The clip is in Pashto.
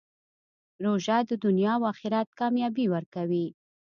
روژه د دنیا او آخرت کامیابي ورکوي.